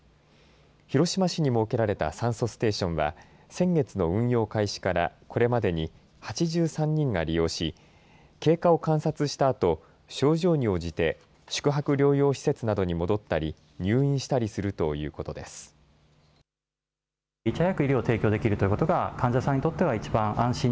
広島市に設けられた酸素ステーションは先月の運用開始からこれまでに８３人が利用し経過を観察したあと症状に応じて宿泊療養施設などに戻ったり入院したりするとこういうことです。